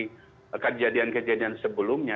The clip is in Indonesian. akumulasi kejadian kejadian sebelumnya